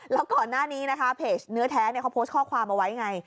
แล้วก่อนหน้านี้นะคะเพจเนื้อแท้เขาโพสต์ข้อความเอาไว้ไง